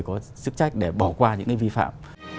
có sức trách để bỏ qua những cái vi phạm